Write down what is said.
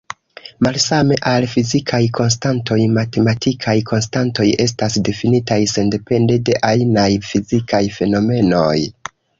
Malsame al fizikaj konstantoj, matematikaj konstantoj estas difinitaj sendepende de ajnaj fizikaj fenomenoj.